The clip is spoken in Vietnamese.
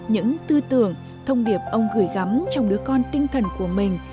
những tư tưởng thông điệp ông gửi gắm trong đứa con tinh thần của mình